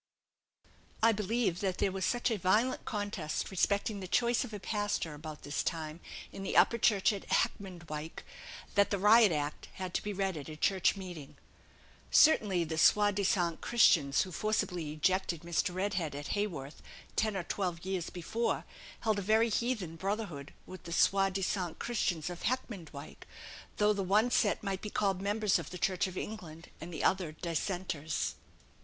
"I believe that there was such a violent contest respecting the choice of a pastor, about this time, in the Upper Chapel at Heckmondwike, that the Riot Act had to be read at a church meeting." Certainly, the soi disant Christians who forcibly ejected Mr. Redhead at Haworth, ten or twelve years before, held a very heathen brotherhood with the soi disant Christians of Heckmondwike; though the one set might be called members of the Church of England and the other Dissenters.